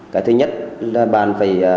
cái thứ nhất là bạn phải